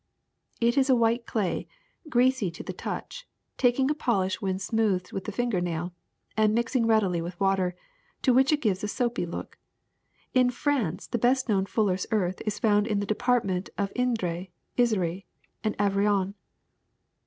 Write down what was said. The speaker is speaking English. ^^It is a white clay, greasy to the touch, taking a polish when smoothed with the finger nail, and mix ing readily with water, to which it gives a soapy look. In France the best kno^vn fullers' earth is found in the departments of Indre, Isere, and Aveyron.